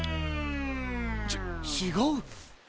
ちちがう！